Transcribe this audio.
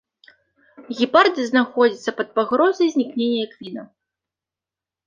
Гепарды знаходзяцца пад пагрозай знікнення як віда.